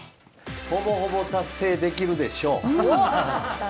ほぼほぼ達成できるでしょう。